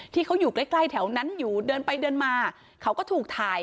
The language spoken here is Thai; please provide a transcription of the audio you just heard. ที่เขาอยู่ใกล้ใกล้แถวนั้นอยู่เดินไปเดินมาเขาก็ถูกถ่าย